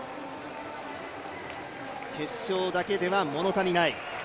決勝だけでは物足りない。